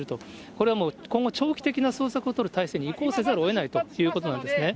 これはもう今後、長期的な捜索を取るせいさくに移行せざるをえないということなんですね。